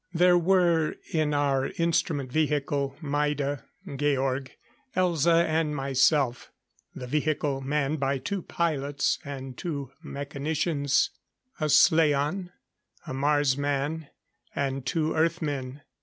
There were in our instrument vehicle, Maida, Georg, Elza and myself, the vehicle manned by two pilots and two mechanicians a slaan, a Mars man, and two Earth men.